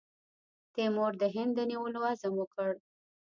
تیمور د هند د نیولو عزم وکړ.